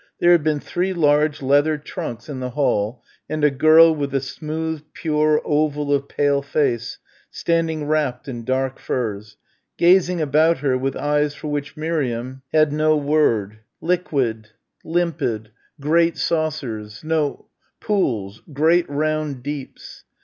There had been three large leather trunks in the hall and a girl with a smooth pure oval of pale face standing wrapped in dark furs, gazing about her with eyes for which Miriam had no word, liquid limpid great saucers, no pools ... great round deeps....